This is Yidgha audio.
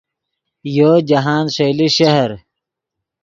یو جاہند ݰئیلے شہر